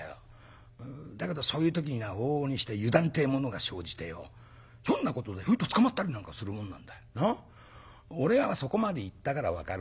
だけどそういう時にな往々にして油断ってえものが生じてよひょんなことでひょいと捕まったりなんかするもんなんだよ。俺はそこまでいったから分かるんだよ。